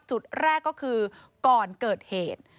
จุดแรกก็คือก่อนเกิดเหตุ